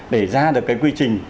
để ra được cái quy trình